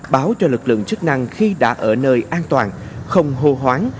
báo cho lực lượng chức năng khi đã ở nơi an toàn không hô hoáng